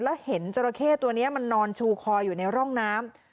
แล้วเห็นจราเข้ตัวนี้มันนอนชูคออยู่ในร่องน้ำ